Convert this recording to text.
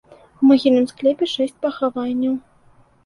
У магільным склепе шэсць пахаванняў.